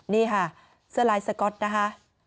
นี่ค่ะสไลด์สก็อตนะคะ